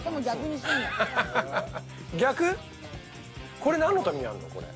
これ何のためにあんの？